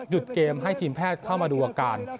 เกมให้ทีมแพทย์เข้ามาดูอาการ